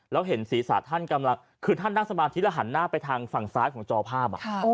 แล้วเห็นศีรษะท่านกำลังคือท่านนั่งสมาธิแล้วหันหน้าไปทางฝั่งซ้ายของจอภาพ